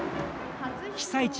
被災地